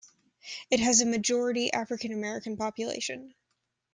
It has a majority African-American population.